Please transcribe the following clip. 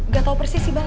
gak tau persis sih bang